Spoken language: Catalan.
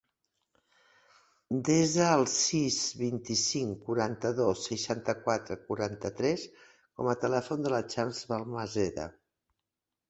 Desa el sis, vint-i-cinc, quaranta-dos, seixanta-quatre, quaranta-tres com a telèfon de la Chams Balmaseda.